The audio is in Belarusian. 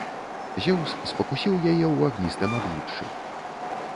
Зеўс спакусіў яе ў агністым абліччы.